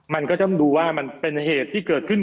มันก็ต้องดูว่ามันเป็นเหตุที่เกิดขึ้น